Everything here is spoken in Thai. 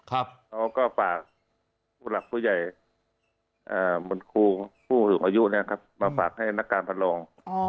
แล้วก็ฝากผู้หลักผู้ใหญ่บริคุณ๓อายุมาฝากให้นักการพัาโลง